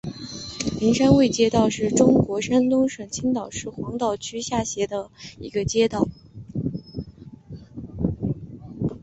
灵山卫街道是中国山东省青岛市黄岛区下辖的一个街道。